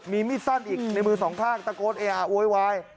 มีมีดสั้นอีกในมือ๒ภาคตะโกดเออโอยย